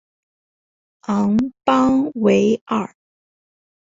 昂邦维尔。